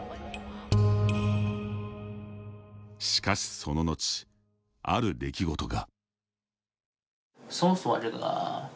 しかしその後、ある出来事が。